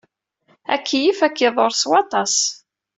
Akeyyef ad k-iḍurr s waṭas.